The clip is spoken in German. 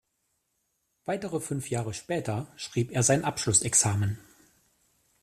Weitere fünf Jahre später schrieb er sein Abschlussexamen.